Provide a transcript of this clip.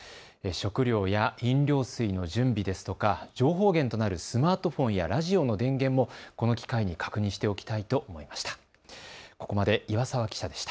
食料や飲料水の準備ですとか、情報源となるスマートフォンやラジオの電源もこの機会に確認しておきたいと思いました。